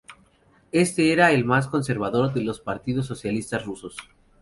Este era el más conservador de los partidos socialistas rusos.